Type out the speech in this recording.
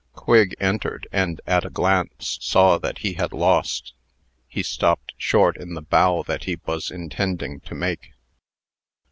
Quigg entered, and at a glance saw that he had lost. He stopped short in the bow that he was intending to make.